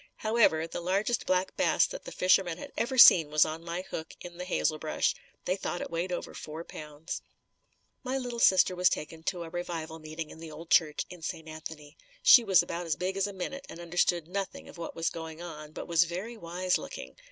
However, the largest black bass that the fishermen had ever seen was on my hook in the hazel brush. They thought it weighed over four pounds. My little sister was taken to a revival meeting in the old church in St. Anthony. She was about as big as a minute and understood nothing of what was going on but was very wise looking.